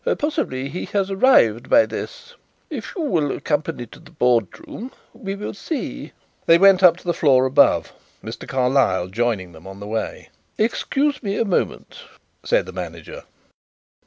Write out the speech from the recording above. Possibly he has arrived by this. If you will accompany me to the boardroom we will see." They went up to the floor above, Mr. Carlyle joining them on the way. "Excuse me a moment," said the manager.